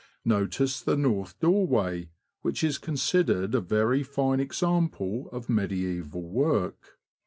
Notice the north doorway, which is considered a very fine example of mediaeval work.